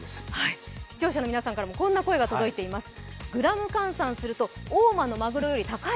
視聴者の皆さんからもこんな声が届いています。